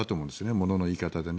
ものの言い方でね。